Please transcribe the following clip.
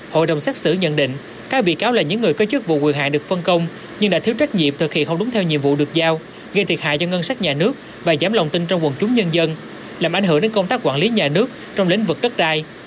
hội đồng xét xử nhận định các bị cáo là những người có chức vụ quyền hạn được phân công nhưng đã thiếu trách nhiệm thực hiện không đúng theo nhiệm vụ được giao gây thiệt hại cho ngân sách nhà nước và giám lòng tin trong quần chúng nhân dân làm ảnh hưởng đến công tác quản lý nhà nước trong lĩnh vực đất đai